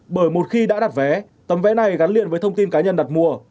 bởi một khi đã đặt vé tấm vé này gắn liền với thông tin cá nhân đặt mua